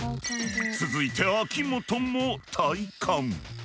続いて秋元も体感！